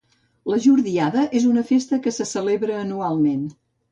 La Jordiada és una festa que se celebra anualment.